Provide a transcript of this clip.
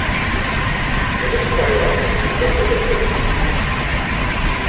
Mais l'expérience ne dure que quelques mois.